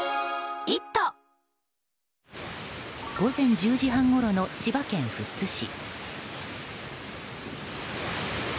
午前１０時半ごろの千葉県富津市。